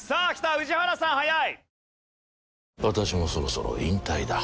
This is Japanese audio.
宇治原さん早い！